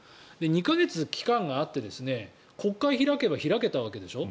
２か月期間があって国会を開けば開けたわけでしょ。